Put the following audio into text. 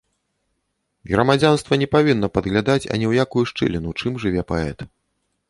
Грамадзянства не павінна падглядаць ані ў якую шчыліну, чым жыве паэт.